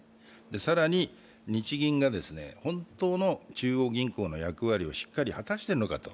更に、日銀が本当の中央銀行の役割をしっかり果たしているのか。